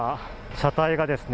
車体がですね。